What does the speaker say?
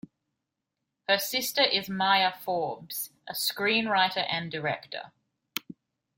Her sister is Maya Forbes, a screenwriter and director.